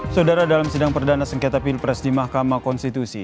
saudara dalam sidang perdana sengketa pilpres di mahkamah konstitusi